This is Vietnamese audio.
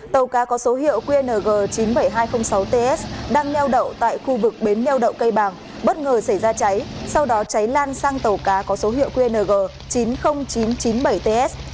tàu cá có số hiệu qng chín mươi bảy nghìn hai trăm linh sáu ts đang nheo đậu tại khu vực bến nheo đậu cây bàng bất ngờ xảy ra cháy sau đó cháy lan sang tàu cá có số hiệu qng chín mươi nghìn chín trăm chín mươi bảy ts